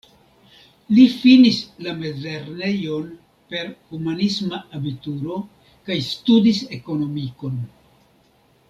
Li finis la mezlernejon per humanisma abituro kaj studis ekonomikon.